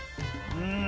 うん。